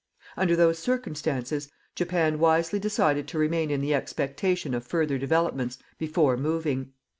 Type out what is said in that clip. Under those circumstances, Japan wisely decided to remain in the expectation of further developments before moving.